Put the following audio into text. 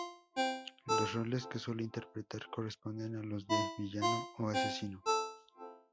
Los roles que suele interpretar corresponden a los de villano o asesino.